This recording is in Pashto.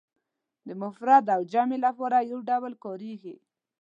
د مفرد او جمع لپاره یو ډول کاریږي.